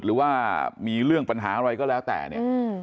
หรือว่ามีเรื่องปัญหาอะไรก็แล้วแต่เนี่ย